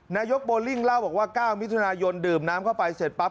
นายกโบลิ่งเล่าบอกว่า๙มิถุนายนดื่มน้ำเข้าไปเสร็จปั๊บ